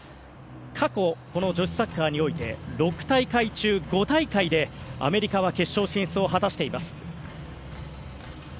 過去この女子サッカーにおいて６大会中５大会でアメリカは決勝進出を果たしています。